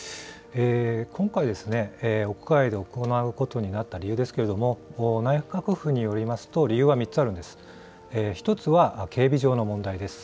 今回ですね、屋外で行うことになった理由ですけれども、内閣府によりますと、理由は３つあるんです。